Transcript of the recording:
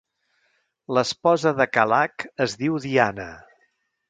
L'esposa de Kalac es diu Diana.